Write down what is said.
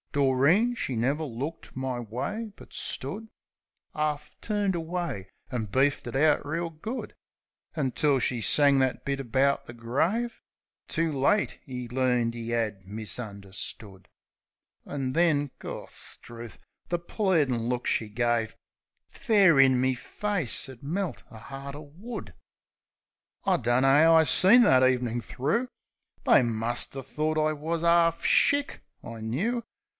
Doreen she never looked my way; but stood 'Arf turned away, an' beefed it out reel good, Until she sang that bit about the grave; "Too late 'e learned 'e 'ad misunderstood!" An' then — Gorstrooth ! The pleadin' look she gave Fair in me face 'ud melt a 'eart o' wood. I dunno 'ow I seen that evenin' thro'. They muster thort I wus 'arf shick, I knoo.